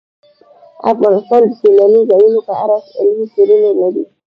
افغانستان د سیلاني ځایونو په اړه علمي څېړنې لري.